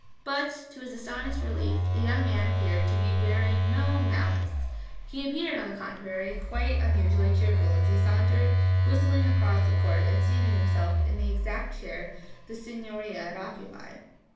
But to his astonished relief the young man appeared to be bearing no malice. He appeared, on the contrary, quite unusually cheerful as he sauntered, whistling, across the court and seated himself in the exact chair the signorina had occupied.